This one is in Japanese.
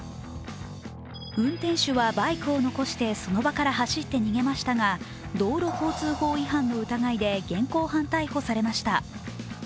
運転手はバイクを残してその場から走って逃げましたが道路交通法違反の疑いで現行犯逮捕されました。